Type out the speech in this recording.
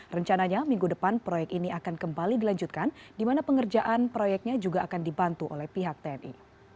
rencananya minggu depan proyek ini akan kembali dilanjutkan di mana pengerjaan proyeknya juga akan dibantu oleh pihak tni